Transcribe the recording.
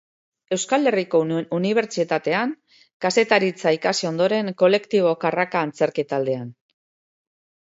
Euskal Herriko Unibertsitatean kazetaritza ikasi ondoren, Kolektibo Karraka antzerki-taldean.